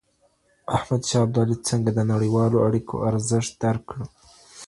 احمد شاه ابدالي څنګه د نړیوالو اړیکو ارزښت درک کړ؟